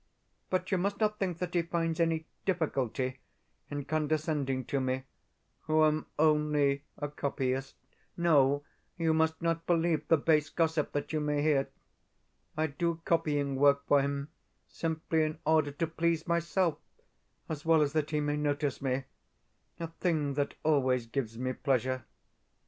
But you must not think that he finds any DIFFICULTY in condescending to me, who am only a copyist. No, you must not believe the base gossip that you may hear. I do copying work for him simply in order to please myself, as well as that he may notice me a thing that always gives me pleasure.